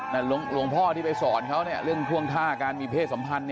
หลวงพ่อที่ไปสอนเขาเรื่องท่วงท่าการมีเพศสัมพันธ์